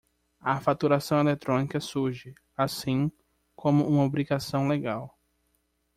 A faturação eletrónica surge, assim, como uma obrigação legal.